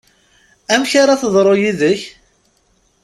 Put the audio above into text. Amek ara teḍru yid-k?